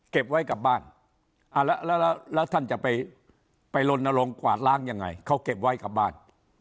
เก็บไว้กลับบ้านแล้วแล้วท่านจะไปลนลงกวาดล้างยังไงเขาเก็บไว้กลับบ้าน